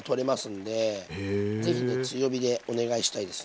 是非ね強火でお願いしたいです。